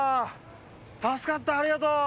助かったありがとう。